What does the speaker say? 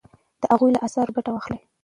د هغوی له اثارو ګټه واخلئ.